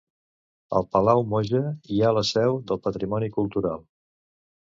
Al Palau Moja, hi ha la seu del Patrimoni Cultural.